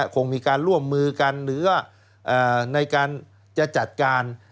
คงมีการร่วมมือกันหรือในการจะจัดการ